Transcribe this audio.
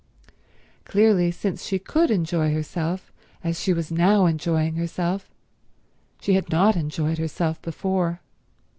Clearly, since she could enjoy herself as she was now enjoying herself, she had not enjoyed herself before.